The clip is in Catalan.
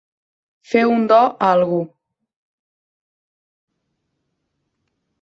Fer un do a algú.